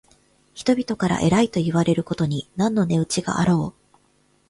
人々から偉いといわれることに何の値打ちがあろう。